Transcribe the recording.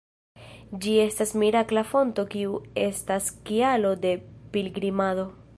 Tie estas mirakla fonto kiu estas kialo de pilgrimado.